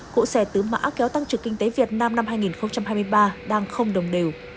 cụ xe tứ mã kéo tăng trực kinh tế việt nam năm hai nghìn hai mươi ba đang không đồng đều